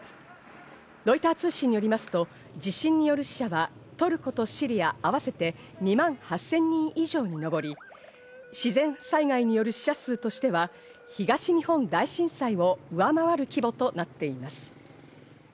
ロイター通信によりますと地震による死者はトルコとシリア合わせて２万８０００人以上にのぼり、自然災害による死者数としては東日本大震災を上回る規模となっています。